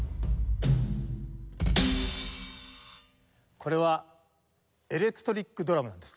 これはエレクトリックドラムなんです。